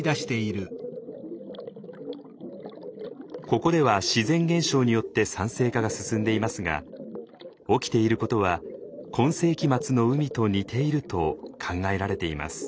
ここでは自然現象によって酸性化が進んでいますが起きていることは今世紀末の海と似ていると考えられています。